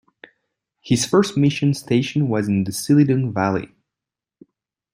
His first mission station was in the Silindung Valley.